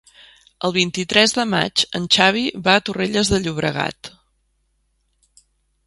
El vint-i-tres de maig en Xavi va a Torrelles de Llobregat.